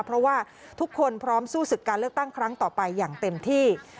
เพราะว่าทุกคนพร้อมสู้ศึกการเลือกตั้งครั้งต่อไปอย่างเต็มที่